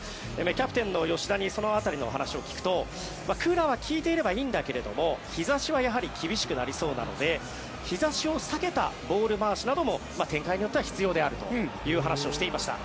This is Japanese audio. キャプテンの吉田にその辺りの話を聞くとクーラーは利いていればいいんだけども日差しは厳しくなりそうなので日差しを避けたボール回しも展開によっては必要であるという話をしていました。